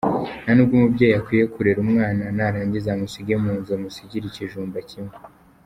Ntabwo umubyeyi akwiye kurera umwana narangiza amusige mu nzu, amusigire ikijumba kimwe.